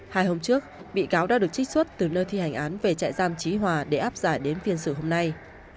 hai hôm trước bị cáo đã được trích xuất từ nơi thi hành án về trại giam trí hòa để áp giải đến phiên xử hôm nay